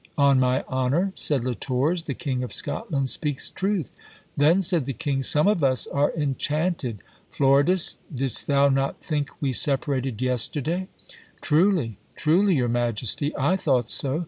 On my honour, said Le Tors, the king of Scotland speaks truth. Then, said the king, some of us are enchanted; Floridas, didst thou not think we separated yesterday? Truly, truly, your majesty, I thought so!